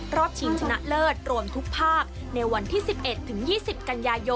รอบชิงชนะเลิศรวมทุกภาค